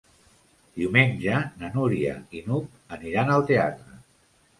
Diumenge na Núria i n'Hug aniran al teatre.